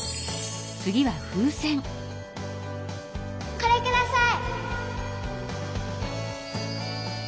これください！